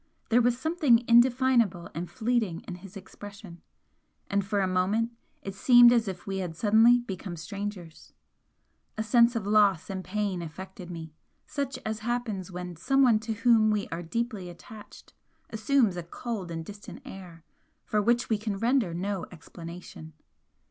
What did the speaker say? There was something indefinable and fleeting in his expression, and for a moment it seemed as if we had suddenly become strangers. A sense of loss and pain affected me, such as happens when someone to whom we are deeply attached assumes a cold and distant air for which we can render no explanation.